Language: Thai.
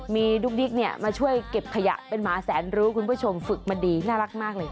ดุ๊กดิ๊กเนี่ยมาช่วยเก็บขยะเป็นหมาแสนรู้คุณผู้ชมฝึกมาดีน่ารักมากเลย